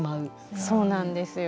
そうなんですよ。